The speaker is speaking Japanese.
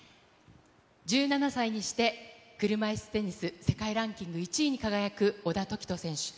１７歳にして車いすテニス世界ランキング１位に輝く小田凱人選手。